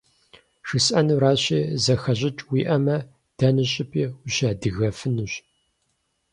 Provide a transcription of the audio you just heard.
ЖысӀэнуращи, зэхэщӀыкӀ уиӀэмэ, дэнэ щӀыпӀи ущыадыгэфынущ.